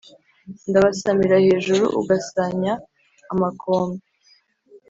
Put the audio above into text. ndabasamira hejuru ugasanya amakombe.